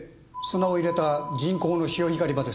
砂を入れた人工の潮干狩り場です。